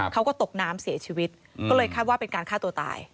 เขาก็ตกน้ำเสียชีวิตก็เลยคาดว่าเป็นการฆ่าตัวตาย